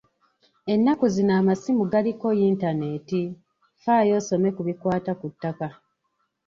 Ennaku zino amasimu galiko yintaneeti, Faayo osome ku bikwata ku ttaka.